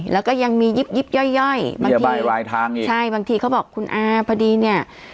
แล้วก็ยังมียิบยิบย่อยย่อยบางทีใช่บางทีเขาบอกคุณอาพอดีเนี่ย